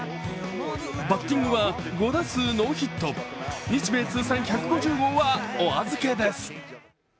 バッティングは５打数ノーヒット、日米通算１５０号はお預けです。